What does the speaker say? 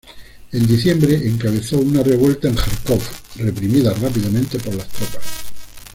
En diciembre, encabezó una revuelta en Járkov, reprimida rápidamente por las tropas.